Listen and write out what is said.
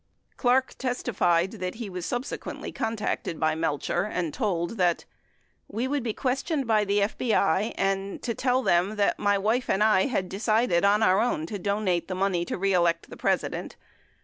26 Clark testified that he was subsequently contacted by Melcher and told that: ... we would be questioned by the FBI and to tell them that my wife and I had decided on our own to donate the money to reelect the President.